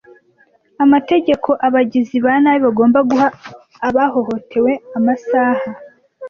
amategeko abagizi ba nabi bagomba guha abahohotewe amasaha